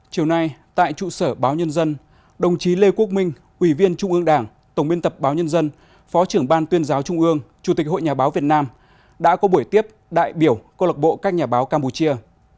chiều nay tại trụ sở báo nhân dân đồng chí lê quốc minh ủy viên trung ương đảng tổng biên tập báo nhân dân phó trưởng ban tuyên giáo trung ương chủ tịch hội nhà báo việt nam đã có buổi tiếp đại biểu cô lạc bộ các nhà báo campuchia